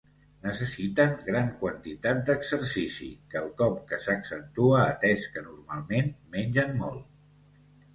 Necessiten gran quantitat d'exercici, quelcom que s'accentua atès que normalment mengen molt.